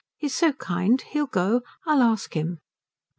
He's so kind. He'll go. I'll ask him."